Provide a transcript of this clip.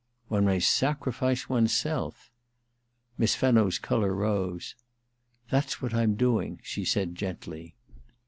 * One may sacrifice one's self/ Miss Fenno's colour rose. * That's what I'm doing/ she said gently.